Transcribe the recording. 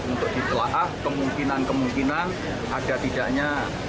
untuk ditelah kemungkinan kemungkinan ada tindak pidana